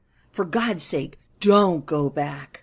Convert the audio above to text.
For God's sake, don't go back!"